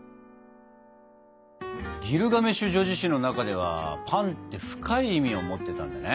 「ギルガメシュ叙事詩」の中ではパンって深い意味を持ってたんだね。